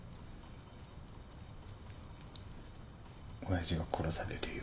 親父が殺される夢。